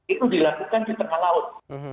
itu dilakukan di tengah laut